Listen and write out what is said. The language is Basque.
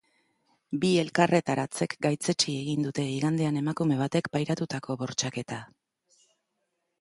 Bi elkarretaratzek gaitzetsi egin dute igandean emakume batek pairatutako bortxaketa.